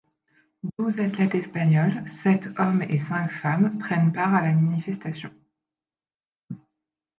Douze athlètes espagnols, sept hommes et cinq femmes, prennent part à la manifestation.